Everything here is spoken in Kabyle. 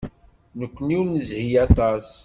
Nekkni ur nezhi aṭas.